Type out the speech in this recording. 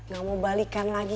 ga mau balikan lagi